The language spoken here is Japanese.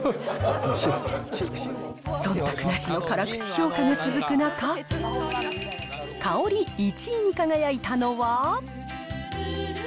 そんたくなしの辛口評価が続く中、香り１位に輝いたのは。